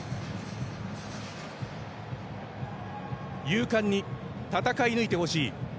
勇敢に戦い抜いてほしい。